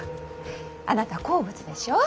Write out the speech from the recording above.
あなた好物でしょう？